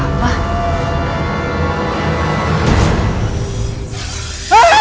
kenapa gue jadi merinding ya